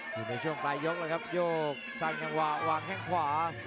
อยู่ในช่วงปลายกรุ่นเลยครับโยกสั่งกันว่าวางแข้งขวา